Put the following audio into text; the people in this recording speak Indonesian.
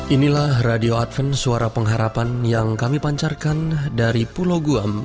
inilah radio adven suara pengharapan yang kami pancarkan dari pulau guam